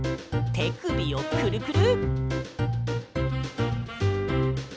てくびをクルクル。